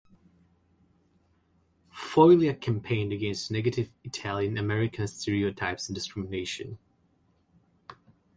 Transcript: Foglia campaigned against negative Italian American stereotypes and discrimination.